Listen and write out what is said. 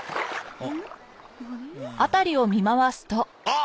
あっ！